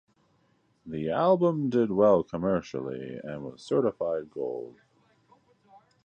The album did well commercially and was certified Gold.